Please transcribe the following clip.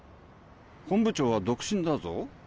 本部長は独身だぞ。